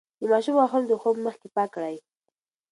د ماشوم غاښونه د خوب مخکې پاک کړئ.